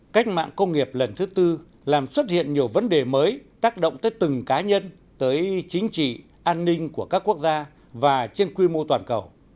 cách mạng công nghiệp lần thứ tư làm xuất hiện nhiều vấn đề mới tác động tới từng cá nhân tới chính trị an ninh của các quốc gia và trên quy mô toàn cầu